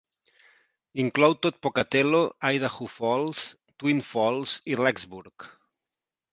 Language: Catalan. Inclou tot Pocatello, Idaho Falls, Twin Falls i Rexburg.